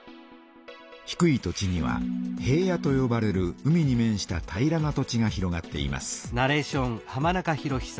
低い土地には平野とよばれる海に面した平らな土地が広がっています。